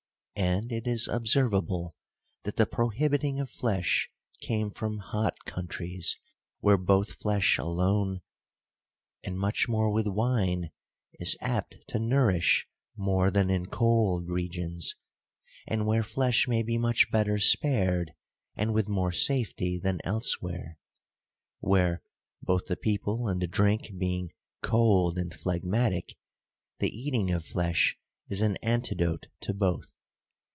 And it is observable, that the prohibiting of flesh came from hot countries, where both flesh alone, and much more with wine, is apt to nourish more than in cold regions; and where flesh may be much better spared, and with more safety, than elsewhere, where (both the people and the drink being cold and phlegmatic) the eating of flesh is an antidote to both.